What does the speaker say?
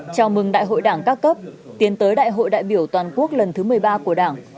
chào mừng đại hội đảng các cấp tiến tới đại hội đại biểu toàn quốc lần thứ một mươi ba của đảng